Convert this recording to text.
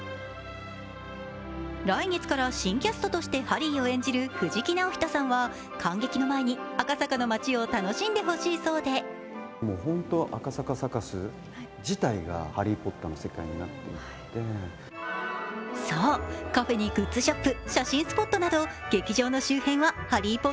来月から新キャストとしてハリーを演じる藤木直人さんは観劇の前に赤坂の街を楽しんでほしいそうでそう、カフェにグッズショップ